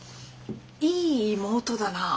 いい妹だなって。